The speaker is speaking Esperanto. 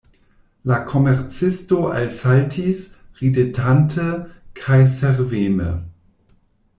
La komercisto alsaltis ridetante kaj serveme.